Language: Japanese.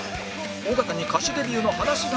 尾形に歌手デビューの話が来たら？